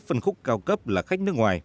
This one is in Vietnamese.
phân khúc cao cấp là khách nước ngoài